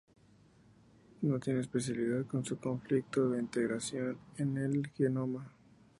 No tiene especificidad en su sitio de integración en el genoma.